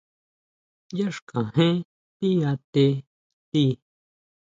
Yá xkajén ti atetʼa tíi.